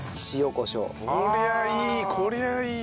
こりゃいいわ。